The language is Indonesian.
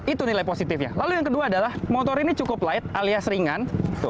itu nilai positifnya lalu yang kedua adalah motor ini cukup light alias ringan